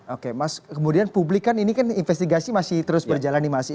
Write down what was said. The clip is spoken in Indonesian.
oke mas kemudian publik kan ini kan investigasi masih terus berjalan nih mas ya